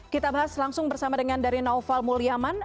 kita bahas langsung bersama dengan dari naufal mulyaman